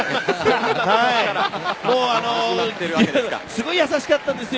すごい優しかったんです。